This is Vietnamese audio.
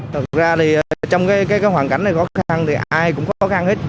thật ra thì trong cái hoàn cảnh này khó khăn thì ai cũng khó khăn hết